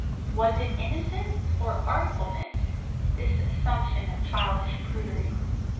Was it innocence or artfulness, this assumption of childish prudery?